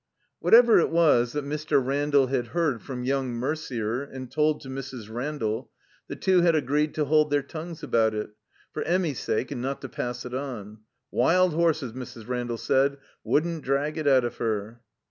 Whatever it was that Mr. Randall had heard from yoimg Merder and told to Mrs. Randall, the two had agreed to hold their tongues about it, for Emmy's sake, and not to pass it on. Wild horses, Mrs. Randall said, wotddn't drag it out of her.